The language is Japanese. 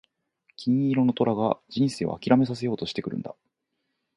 金色の虎が人生を諦めさせようとしてくるんだ。